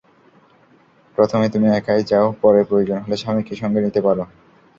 প্রথমে তুমি একাই যাও, পরে প্রয়োজন হলে স্বামীকে সঙ্গে নিতে পারো।